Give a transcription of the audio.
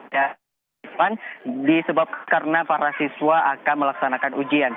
dan disebabkan para siswa akan melaksanakan ujian